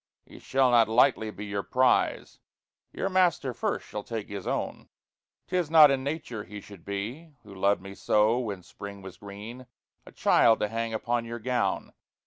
He shall not lightly be your prize Your Master first shall take his owne. 'Tis not in nature he should be (Who loved me soe when Springe was greene) A childe, to hange upon your gowne!